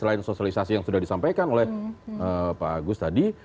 selain sosialisasi yang sudah disampaikan oleh pak agus tadi